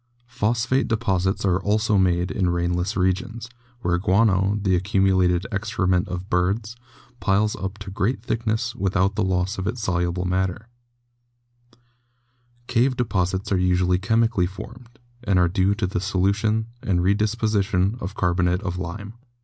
Phos phate deposits are also made in rainless regions, where guano, the accumulated excrement of birds, piles up to great thicknesses without the loss of its soluble matter. RECONSTRUCTIVE PROCESSES 151 Cave deposits are usually chemically formed, and are due to the solution and redeposition of carbonate of lime.